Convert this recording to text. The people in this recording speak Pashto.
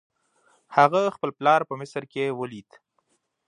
هغه خپل پلار په مصر کې ولید.